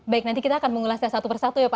baik nanti kita akan mengulasnya satu persatu ya pak